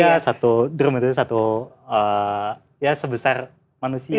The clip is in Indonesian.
ya satu drum itu satu ya sebesar manusia